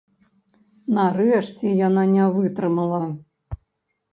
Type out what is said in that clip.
Нарэшце яна не вытрымала.